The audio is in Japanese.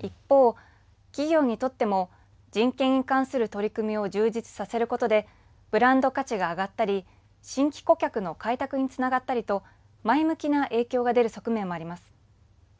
一方、企業にとっても人権に関する取り組みを充実させることでブランド価値が上がったり新規顧客の開拓につながったりと前向きな影響が出る側面もあります。